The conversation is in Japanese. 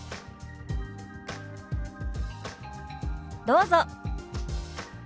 どうぞ。